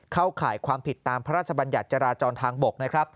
เข้าข่ายความผิดตามพระราชบัญญาจราจรทางบก